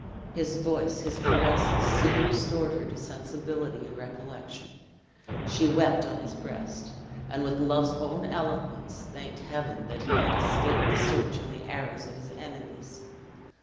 His voice, his caresses, soon restored her to sensibility and recollection. She wept on his breast, and with love's own eloquence, thanked Heaven that he had escaped the search and the arrows of his enemies.